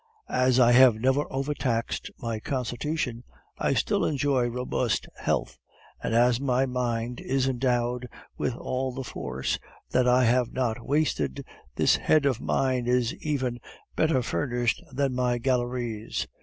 As I have never overtaxed my constitution, I still enjoy robust health; and as my mind is endowed with all the force that I have not wasted, this head of mine is even better furnished than my galleries.